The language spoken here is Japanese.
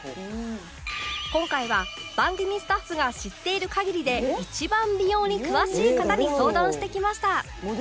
今回は番組スタッフが知っている限りで一番美容に詳しい方に相談してきました